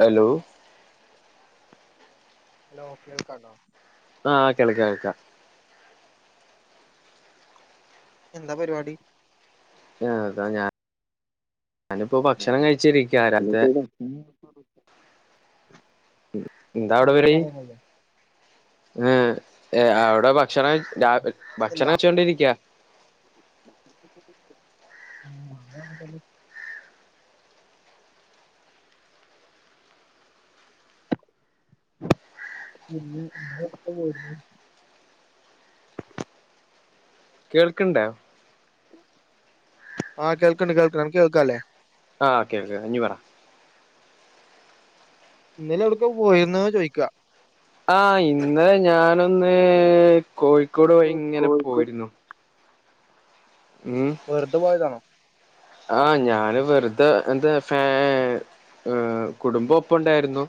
Hello hello [unintelligible] ആഹ് കേളക്കാം കേൾക്കാം എന്താ പരിപാടി അ അതാ ഞാൻ ഞാനിപ്പോ ഭക്ഷണം കഴിച്ചിരിക്ക ആരാത്തെ അ [unintelligible] എന്താ അവിടെ പാർവടി എ ആ അവിടെ ബാഗ് ഭക്ഷണം ര ഭക്ഷണ കഴിച്ചൊണ്ടിരിക. ആ [unintelligible] പിന്നെ ഇ ഇ പോയിരുന്നു [unintelligible] കേൾക്കണ്ട ആഹ കേൾക്ണ്ട് കേൾകണ്ട് അനക്ക് കേൾക്കാലേ ആ കേൾക്കാം അ ഞ് പറ. ഇന്നല എവിടക്ക പോയിരുന്ന ചോയി ക ആ ഇന്ന് ഞാനൊന്ന് കോഴിക്കോട് വഴി ഇങ്ങനെ കോഴിക്കോട് പോയിരുന്നു വെറുത പോയതാണോ? ആഹ ഞാന് വെറുതെ എന്താ ഫാൻ എ കുടുംബം ഒപ്പ ഉണ്ടായിരുന്നു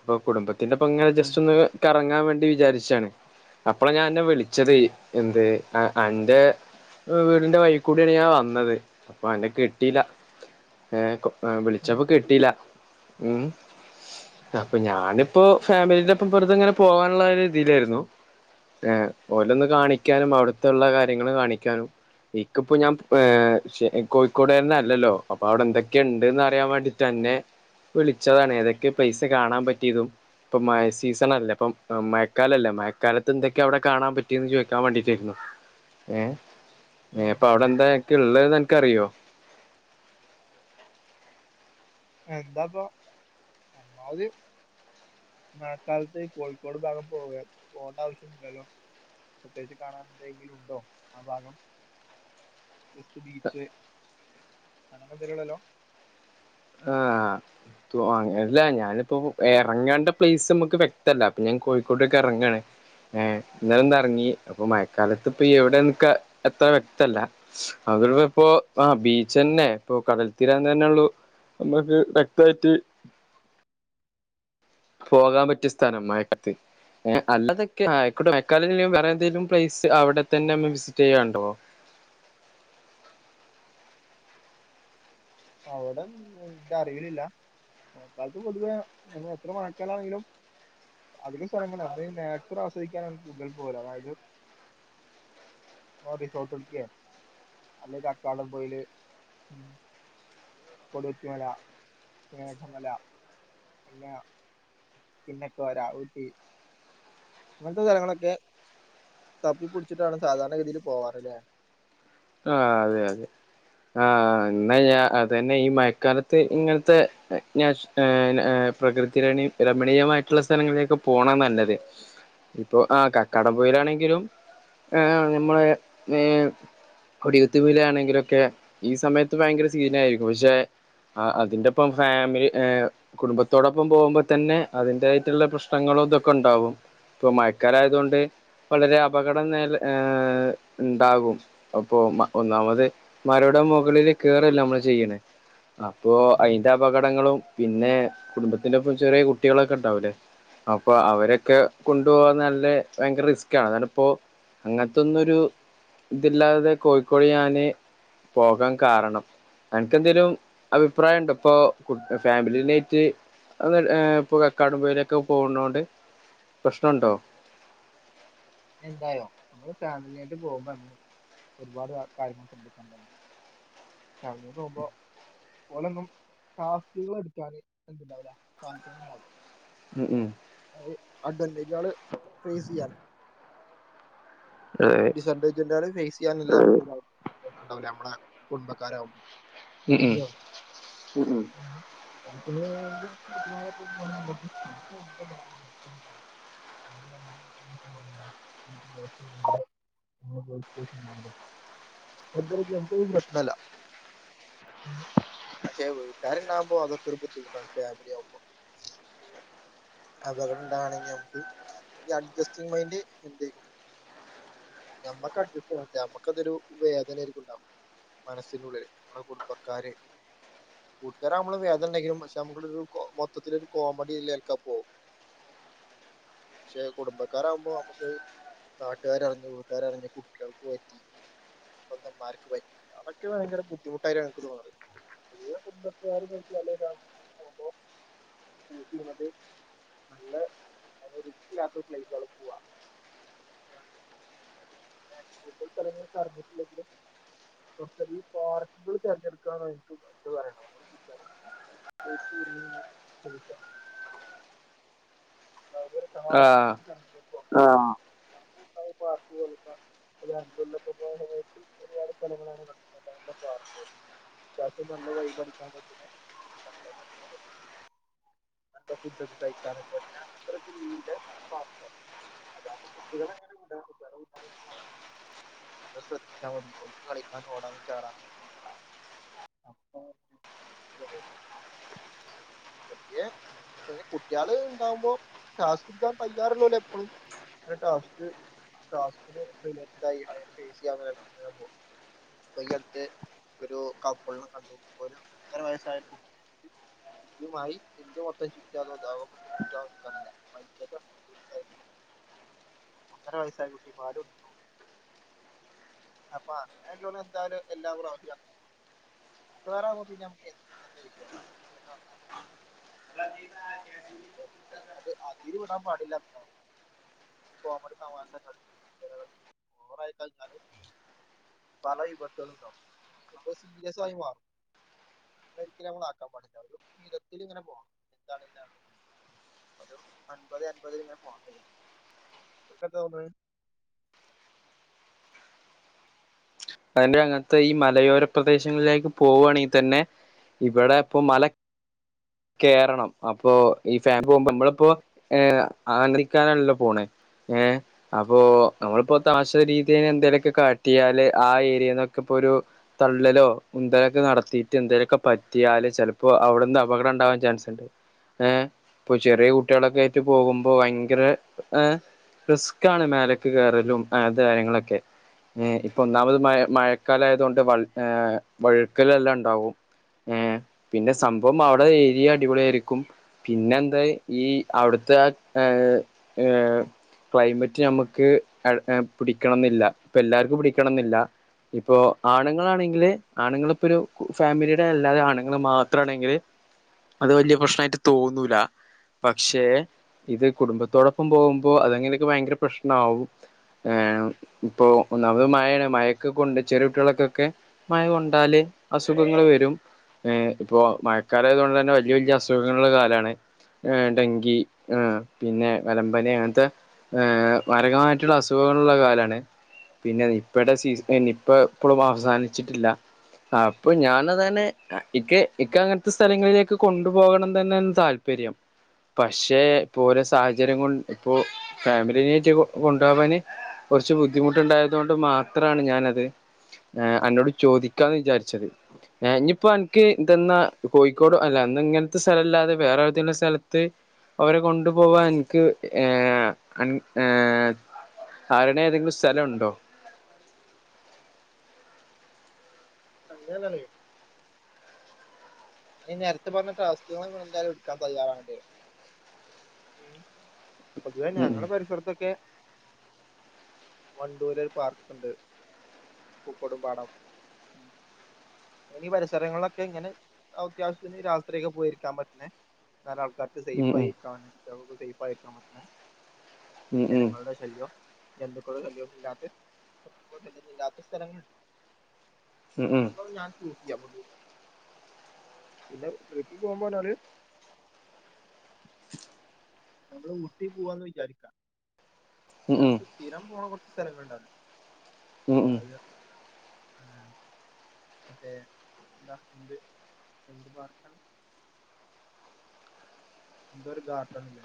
അപ്പൊ കുടുംബത്തിന്റെപ്പ ഇങ്ങനെ ഉം ജസ്റ്റ് ഒന്ന് കറങ്ങാൻ വേണ്ടി വിചാരിച്ചാണ് അപ്പള ഞാൻെ അന്നെ വിളിച്ചത് എന്ത് അ അൻ്റെ വീടിൻന്റെ വായി കൂടിയാണ് ഞാൻ വന്നത് പ അന്നേ കി ട്ടിയില്ല ഏവിളിച്ചപ്പോ കിട്ടിലാ അപ്പൊ ഞാനിപ്പോൊ ഫാമിലിന്റെപ്പ വെ റുതെങ്ങനെ പോകാനുള്ള തിയിലായിരുന്നു ഏ ഓലൊന്ന് കാണിക്ക ാനും അവിടുത്തെുള്ള കാര്യങ്ങൾ കാണിക്കാനും ഇ ക്കപ്പോ ഞാൻ കോഴിക്കോടാ രാൻ അല്ലല്ലോ അപ്പൊ അവിടെ എന്തൊക്കെയ ഉണ്ട്ന്ന് അറിയാൻ വേണ്ടിട്ട് ന്നെ വിളിച്ചതാണ് ഏതൊക്കെ പ്ലെയ്സ് കാണാൻ പറ്റിയതും ഇപ്പൊ മ സീസണല്ലേ അപ്പ മഴക്കാലല്ലേ മഴക്കാലത്ത് എന്തൊക്കെയാ അവിടെ കാണാൻ പറ്റിയന്ന് ചോദിക്കാൻ വേണ്ടീട്ടായിരുന്നു ഏ ഏ ഉം അപ്പൊ അവിടെ എന്താ ഒക്കെ ഉള്ളത്ന്ന് എനക്ക്റിയോ എന്താപ്പൊ അതി മഴ ക്കാലത്ത് ഈ കോഴിക്കോട് ഭാഗം പോവ പോകേണ്ട ആവശ്യമ ഇില്ലല്ലോ പ്രത്യ കിച് കാണാൻ എന്തെങ്കിലും ഉണ്ടോ ആ ഭാഗം വെസ്റ്റ് ബീച്ച് അങ്ങങ്ങനെന്തലള്ളല്ലോ ആഹ അങ്ങനല്ല ഞാനിപ്പോ ഇറങ്ങേണ്ട പ്ലേസ് നമുക്ക് വ്യക്തല്ല അപ്പൊ ഞാൻ കോഴിക്കോടൊക്കെ ഇറങ്ങയാണ് ഏ ഇന്നാലം എന്ത ഇറങ്ങി അപ്പൊ മഴക്കാലത്ത് ഇപ്പൊ എവിടെന്നൊക്കെ എത്ര വ്യക്തല്ല അവരുടെ ഇപ്പോൊ ആ ബീച്ച് തന്നെ ഇപ്പൊ കടൽത്തീരാന്ന് തന്നെ ഉള്ളു നമ്മുക്ക് വക്തമായിട്ട് പോകാൻ പറ്റിയ സ്ഥലം മയക്കാലത്ത് അതൊക്കെ മേക്കാല വേറെ എന്തേലും പ്ലേസ് അവിടെ തന്നെ നമ്മ വിസിറ്റ് ചെയ്യുണ്ടോ അവിട ഇന്റെ അറിവിലില്ല മയ ക്കാലത്ത് പൊതുവേ ന എത്ര മഴക്കാലാണെങ്കിലും അതിിക സ്വലം നമ്മ നാച്ചുർ ആസ്വധി ക്കാനാണ് കൂടുതൽ പോവ ല് അതായത് റിസോർട്ടട് ക്ക അല്ലെ ക ക്കാടം പോയില് കൊടുകു ത്തി മല മേഘമല പില്ലാ പിന്നക്കെ ഒരാ ഊട്ടി അങ്ങനത്തെ സ്ഥലങ്ങളൊക്കെ തപ്പിപ്പിടിച്ചിട്ടാണ് സാധാരണ ഗതിൽ പോവാറല്ലേ ആ അതെ അതെ ആഹ എന്നാൽ ഞാ അതു തന്നെ ഈ മഴക്കാലത്ത് ഇങ്ങനത്തെ [unintelligible] പ്രകൃതിരണ രമണീയമായിട്ടുള്ള സ്ഥലങ്ങളിലേക്കെ പോണം നല്ലത് ഇപ്പൊ ആ കക്കാടം പോയിലാണെങ്കിലും ആഏ നമ്മള് ഏ കൊടികത്ത് പോയില് ആണെങ്കിലുംൊക്കെ ഈ സമയത്ത് ഭയങ്കര സീൻ ആയിരിക്കും പക്ഷെ ആ അതിന്റെ ഇപ്പം ഫാമിലി കുടുംബത്തോടൊപ്പം പോകുമ്പോ തന്നെ അതിന്റെറായിട്ടുള്ള പ്രശ്നങ്ങളും ഇതൊക്കെ ഉണ്ടാവും ഇപ്പൊ മയക്കാലായതൊണ്ട് വളരെ അപകടം നില ഏർ ഉണ്ടാകും അപ്പൊ ഒന്നാമത് മല ട മുകളിൽ കേറല്ല നമ്മള് ചെയ്യണേ അപ്പൊ അ അപകടങ്ങളും പിന്നെ കുടുംബത്തിന്റെ ഒപ്പം ചെറിയ കുട്ടികളൊക്കെ ഉണ്ടാവുംല്ലേ അപ്പൊ അവരൊക്കെ കൊണ്ടുപോവാാൻ നല്ല ഭയങ്കര റിസ്ക് ആണ് അതാണ് ഇപ്പോൊ അങ്ങനത്തൊന്നുംരു ഇതില്ലാതെ കോഴിക്കോട് ഞാന് പോകാൻ കാരണം അ നക്ക്െന്തേലും അഭിപ്രായം ഉണ്ടോ ഇപ്പൊ ഫാമിലീായിട്ട് അ ഇപ്പൊ കക്കാടമ്പയിലൊക്കെ പോകുന്നോണ്ട് പ്രശ്നുണ്ടോ എന്തായോ നമ്മള് ഫാമിലിയായിട്ട് പോകുമ്പോ നമ്മള് ഒരുപാട് കാര്യങ്ങൾ ശ്രദ്ധിക്കേണ്ടണ്ട് ാവലന്ന് പോകുമ്പോ അലൊന്നും ടാസ്ുകൾ എടുക്കാാന് എന്തുണ്ടാവില്ല സാധിക്കാനണ്ടാവില്ല ഉം ഉം അ അ ഡെ ജ ഫ്രേസ യ അതെ ഡിസ് അഡ്വാൻറെജ് ഫേ സ് ചെയ്യാനുള്ള നമ്മടെ കുടുംബക്കാരാകുമ്പോ ഉം ഉം മതിയോ അത്! ! ! ! ! [unintelligible] ആഹ് [inaudible] [unintelligible] എന്തായാലും പ്രശ്നല്ല പക്ഷെ വീട്ടുകാരുണ്ടാവോ അതൊക്കൊരു ബുദ്ധിമുട്ടാണ് ഫാമിലിയാവുമ്പോ ഉം അപകടം ഇണ്ടാവണങ്ങി നമുക്ക് ഈ അഡ്ജസ്റ്റി മൈൻഡ് എന്തക്കും ഞമ്മക് അഡ്ജസ്റ്റഡാണ് നമ്മക്കതൊരു വേദനരിക്കും ഉണ്ടാവും മനസ്സിനുള്ളിൽ നമ്മുടെ കുടുംബക്കാര് കൂട്ടുകാരവുമ്പോഴും വേദനണ്ടങ്ങിലും പക്ഷെ നമ്മൊരു മൊത്തത്തിലൊരു കോമഡിലെകെ അപ്പൊ പക്ഷെ കുടുംബക്കാരാവുമ്പോ നമുക്ക് നാട്ടുകാര അറിഞ്ഞു പോ അവരറിഞ്ഞു കുട്ടികൾ പോയത്തി സ്വാന്തംഭാര്യക്ക് പോയി അതൊക്കെ ഭയങ്കര ബുദ്ധിമുട്ടായിട്ടാണ് എനിക്ക് തോന്നുന്നത് ആഹ് കുടുംബക്കാറ് [unintelligible] ഷൂട്ട് ചെയ്യുന്നത് നല്ല വൃത്തി ഇല്ലാത്തരു പ്ലേസ് ആവും കൂടുതൽ സ്ഥലങ്ങളും അറിഞ്ഞിട്ടില്ലെങ്കിലും സ്വാസ്തദി പാർക്കുകൾ തിരഞ്ഞെടുക്കാാണ് എക്ക് പറയണ അയിൽ കുട്ടികള കൊഴുപ്പ് കൂടുന്നതുകൊണ്ടാ തടിവെക്ക [inaudible] ആഹ് ആഹ് കൊടുക്ക ഒരു രണ്ടുകൊല്ലത്തുള്ള സമയത്ത് ഒരുപാടു സ്ഥലങ്ങളാണ് കണ്ട് ഇതാണ്ട പാർക്ക്‌ രാത്രി നല്ല വൈബ് അടിക്കാൻ പറ്റുന്ന പക്കാ [unintelligible] ന്ന്ന്താ കുട്ടികൾക്ക് കഴിക്കാൻ വാ‌ പിന്നെ അത്രക് ലീവ് ഇല്ല [unintelligible] അതാവുമ്പോ കുട്ടികളെ ഇങ്ങനെ വിടാ. കുട്ടികളെ [unintelligible] ശ്രദ്ധിച്ചാൽ മതി ഓലുക്ക് കളിക്കാനും ഓടാനും ചാടാനുംക്ക പുതിയ പക്ഷെ കുട്ടികള് ഉണ്ടാവുമ്പോ ക്ലാസ് എടുക്കാൻ തയാറുലോൽ എപ്പോഴും പിന്നെ ടാസ്ക് ടാസ്കിൽ റിയലിറ്റഡ് ആയി ആയുള്ടെ ഫേസ്ക്യാമ്മിൽ ഇടാൻപോവ ഇയ്യടുത്ത് ഒരു കപ്പിൾനെ കണ്ടു ഒരു ഒന്നര വയസ്സായ കുട്ട യുമായി ഇന്ത്യ മൊത്തം ചുറ്റാതോ ലോകമൊക്കെ ചുറ്റോ ക്കറിയില്ല മൈ [unintelligible] ഒന്നര വയസ്സായ കുട്ടി പാല് കുടിക്കുന്നു അപ്പൊ അങ്ങനെ ഉള്ളോൻ എന്തായാലും എല്ലാ പ്രാവിശ്യം [unintelligible] കൂട്ടുകാരവുമ്പോ പിന്നെ നമക്ക് ഇന്ന് ന്താ വിഷയം നീ എന്നാ വന്നേ ട്രാകിങ് ആരൊക്കെയാണ് അതിരുവിടാൻ പാടില്ലാത്തതാണ് കോമഡി തമാശകൾ ചിലര് ഓവറായി കഴിഞ്ഞാല് പല വിപത്തുകളുണ്ടാവും അതിപ്പോ സീരിയസായി മാറും അങ്ങന ഒരിക്കലും നമ്മള്‌ ആക്കാൻ പാടില്ല ഒരു വിധത്തിൽ ഇങ്ങനെ പോകണം എന്താണേലും ഒരു അൻപത് അൻപതില് ഇങ്ങനെ പോണം നിനക്ക് ന്താ തോന്നുണ്‌ അതിന്റെ അങ്ങത്തെ ഈ മലയോര പ്രദേശങ്ങളിലേക്ക് പോകുവാണെങ്കിൽ തന്നെ ഇവിടെ ഇപ്പൊ മല കയറണം അപ്പൊ ഈ ഫാമി പോകുമ്പോ നമ്മളിപ്പോ ഏഹ് ആന്ധ്രിക്കാനല്ലലോ പോണേ ഏഹ് അപ്പൊ നമ്മളിപ്പോ തമാശ രീതീൽ എന്തേലുമൊക്കെ കാട്ടിയാല് ആ ഏരിയന്നൊക്കെ ഇപ്പോരു തള്ളലോ ഉന്തലൊക്കെ നടത്തിയിട്ട് എന്തേലൊക്കെ പറ്റിയാല് ചിലപ്പോ അവിടുന്ന് അപകടം ഉണ്ടാവാാൻ ചാൻസുണ്ട് ഏഹ് ഇപ്പൊ ചെറിയ കുട്ടികളൊക്കെ ആയിട്ട് പോകുമ്പോ ഭയങ്കര ഏഹ് റിസ്ക്കാണ് മേലക്ക് കയറലും അങ്ങനത്തെ കാര്യങ്ങളൊക്കെ ഒന്നാമത് മഴ മഴക്കാലയതുകൊണ്ട് വഴ് ഏഹ് വഴുക്കല് എല്ലാം ഉണ്ടാാവും ഏഹ് പിന്നെ സംഭവം അവിടെ ഏരിയ അടിപൊളിയായിയിരിക്കും പിന്നെന്താ ഈ അവിടുത്തെ ആഹ് ഏഹ് ഏഹ് ക്ലൈമറ്റ് ഞമ്മുക്ക് ഏഹ് പിടിക്കണം എന്നില്ല ഇപ്പ എല്ലാർക്കും പിടിക്കണം എന്നില്ല ഇപ്പൊ ആണുങ്ങളാണെങ്കില് ആണുങ്ങൾ ഇപ്പോരു ഫാമിലിയുടെ അല്ലാതെ ആണുങ്ങൾ മാത്രമാണെങ്കില് അത് വലിയ പ്രശ്നമായിട്ട് തോന്നൂല പക്ഷേ ഇത് കുടുംബത്തോടൊപ്പം പോകുമ്പോ അതെങ്ങനെയൊക്കെ ഭയങ്കര പ്രശ്നമാവും ആ ഇപ്പോഒന്ന ഇപത് മഴാണ് മഴക്ക് കൊണ്ട് ചെറിയ കുട്ടികളക്കൊക്കെ മഴ കൊണ്ടാല് അസുഖങ്ങള് വരും ഏ് ഇപ്പോൾ മഴക്കാല ആയത്കൊണ്ട് തന്നെ വലിയ വലിയ അസുഖങ്ങളുള്ള കാലാണ് ഏ ഡങ്കി ആ പിന്നെ വലമ്പനി അങ്ങനത്തെ ഏഹ് മരകമായിറ്റുള്ള അസുഖങ്ങളുള്ള കാലാണ് പിന്നെ നിപ്പടെ സീസ നിപ്പ ഇപ്പളും അവസാനിച്ചിട്ടില്ല അപ്പൊ ഞാനാതന്നെ ഇക്ക് ഇക്ക് അങ്ങനത്തെ സ്ഥലങ്ങളിലേക്ക് കൊണ്ടു പോകണം തന്നെ താല്പര്യം പക്ഷെ ഇപ്പോ ഓരോ സാഹചര്യം കൊണ്ട് ഇപ്പൊ ഫാമിലീനയിട്ട് കൊ കൊണ്ടൊവാന് കുറച്ച് ബുദ്ധിമുട്ടുണ്ടായതൊണ്ട് മാത്രണ് ഞാനത് അന്നോട് ചോദിക്കാന്ന് വിചാരിച്ചത് ഇഞ്ഞ്പ്പോ അനക്ക് തന്നാ കോഴിക്കോടും അല്ല അന്ന് ഇങ്ങനത്തെ സ്ഥലംല്ലാതെ വേറെതെലും സ്ഥലത്ത് അവരെ കൊണ്ടുപോവാൻ എനിക്ക് ഏ ഏർ ആറിണ ഏതെങ്കിലും സ്ഥലണ്ടോ [unintelligible] നേരത്തെ പറഞ്ഞ ടാസ്കൾ എന്തായാലും എടുക്കൻ തയ്യാറാവണ്ടെ ഉം പൊതുവേ ഉം ഞങ്ങളെ പരിസരത്തൊക്കെ വണ്ടൂര് പാർക്ക് ഉണ്ട് പൂക്കോടും പാടം ഇനഈ പരിസരങ്ങളിലൊക്കെ ഇങ്ങനെ അത്യാവശ്യത്തിന് രാത്രിയൊക്കെ പോയിരിക്കാൻ പറ്റ്ണ നാല് ആൾക്കാർ ഉം സേഫ് ഉം അയിരിക്ക പറ്റ്ണെ കുട്ടിൾക്കു സേയ്ഫാ യിരിക്കാൻ പറ്റ്ണ ഉം ജനങ്ങളുടെ ശല്യോ ജന്തുക്കളോ ശല്യോന്നു ഇല്ലാത്ത മൃഗങ്ങളുടെ ഇല്ലാത്ത സ്ഥലങ്ങളണ്ട് ഉം ഉം ഉം ഞാൻ [unintelligible] പിന്നെ ട്രിപ്പ് പോകുമ്പോ പറഞ്ഞാൽ നമ്മള് ഊട്ടി പോവാന്ന് വിചാരിക്കാ ഉം നമക്ക് സ്തിരം പോണ കൊറച്ച് സ്ഥലങ്ങ ഉണ്ടാണ് ഉം ഉം ഉം [unintelligible] മറ്റേ എന്താ എന്ത് എന്ത് പാർക്കാണ് എന്തൊരു ഗാർഡൺ ല്ലേ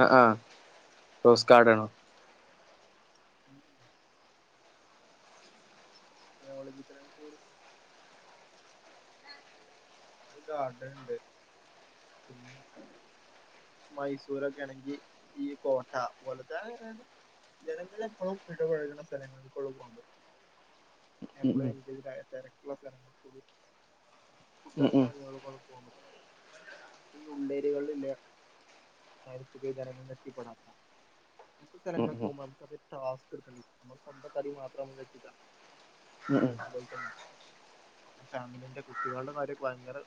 ആ ആ റോസ് ഗാർഡനോ ഉം ബയോളജിക്കലര് പൊര് രു ഗാർഡൻ ണ്ട് പിന്നെ മൈസൂരൊക്കെ ആണെങ്കി ഈ കോട്ടപൊലത്തെ ജനങ്ങളെപ്പോഴും ഇടപഴകുന്ന സ്ഥലങ്ങളൾ ഇപ്പോഴും പോകണ ഉം ഉം എപ്പെളങ്കി തെരക്കുള്ള സ്ഥലങ്ങൾ പോ ഉം കുട്ടികൾ ഉം കമങ്ങളുംക്ക പോകുന്നില്ല ഈ ഉള്ളേരിയകളിൽല്ലേ സുഖേക്കാരം എത്തിപെടാൻ മറ്റ ഉം ഉം ഉം സ്ഥലങ്ങളിൽ ഉം പോമ്പോൾ നമ്മകത് ടാസ്ക്ക് ഇട്ക്കണ്ടിരും നമ്മൾസ്വന്തം തടി മാത്രവുബൊ കജൂല സംഭവിച്ച ഞാൻ ഫാമിലിന്റെ കുട്ടികളുടെ കാര്യൊക്കെ ഭയങ്കര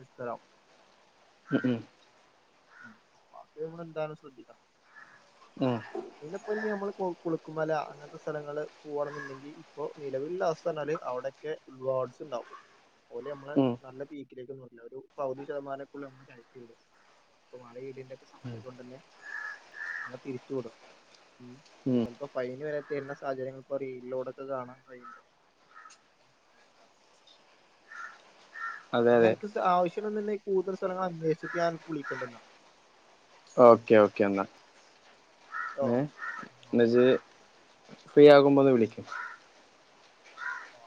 രിസ്തരാവും ഉം ഉം അത് മ്മൾ എന്തായലും ശ്രദ്ധിക്ക അ ഇതിലിപ്പോ ഇഞ്ഞ് മ്മൾ കുളുക്കുമല അങ്ങനത്തെ സ്ഥലങ്ങള്ൾ പോകവാണ് ന്ന്ണ്ടെങ്കിൽ ഇപ്പൊ നിലവിലുള്ള അവസ്ഥാന്ന് പറഞ്ഞാൽ അവിടെക്കെ ഉാഡ്സ് ഉണ്ടാവും ഓല് നമ്മെള ഉം നല്ല പീക്കിലേക്കൊന്നുംയില്ല ഒരു പൗതി ശതമാനേക്ക നമ്മള് കയറ്റിവിടു ഇപ്പൊ മഴ ഇയിതിന്റെ ഒക്കെ ഉം സമയം കൊണ്ടേന്നേ നമ്മളെ തിരിച്ചു വിടും ഉ ഉം ചെലപ്പോ ഫൈൻ വരെ തരുന്ന സാഹചര്യങ്ങ ഇപ്പോ റീലിലോടൊക്ക കാണാൻ കഴിയണ്ട് അതെ ന്ന ഞാൽ അതെ അനക്ക് ആവശ്യണ്ട് ന്ന്ണ്ടകി കൂടുതൽ സ്ഥലങ്ങ അന്വേഷിട്ട് ഞാൻ വിളിക്കൻണ്ട്ഞ്ഞ ഓക്കേ ഓക്കേ എന്ന ഏ ട്ടോ ഇന്നജ് ഫ്രീ ആകുമ്പോന്ന് വിളിക്ക് ആ